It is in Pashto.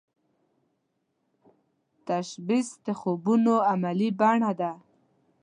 تشبث د خوبونو عملې بڼه ده